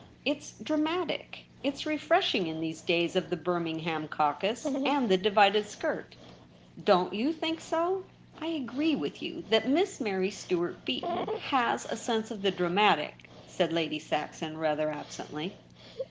It's dramatic ; it's refresh ing in these days of the Birmingham caucus and the divided skirt ; don't you think so ?'' I agree with you that Miss Mary Stuart Beaton has a sense of the dramatic,' said Lady Saxon rather absently.